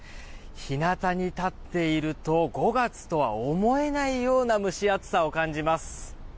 日なたに立っていると５月とは思えないような蒸し暑さを感じます。